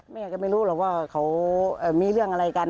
แม่ก็ไม่รู้หรอกว่าเขามีเรื่องอะไรกัน